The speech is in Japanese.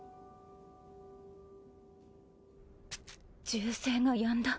銃声がやんだ。